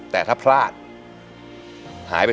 แต่ถ้าพลาดหายไป๓๐๐๐๐